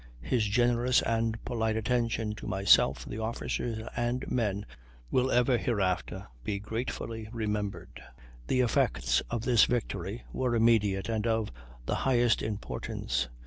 His generous and polite attention to myself, the officers, and men, will ever hereafter be gratefully remembered." The effects of the victory were immediate and of the highest importance.